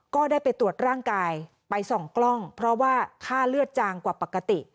ก็ได้ไปตรวจร่างกายไปส่องกล้องเพราะว่าค่าเลือดจางกว่าปกติ